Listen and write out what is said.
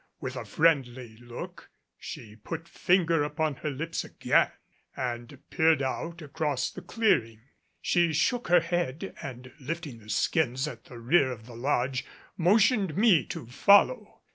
With a friendly look she put finger upon her lips again and peered out across the clearing. She shook her head, and lifting the skins at the rear of the lodge motioned me to follow.